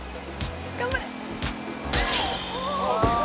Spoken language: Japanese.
「頑張れ！」